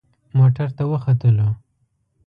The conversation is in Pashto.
موټر ته وختلو.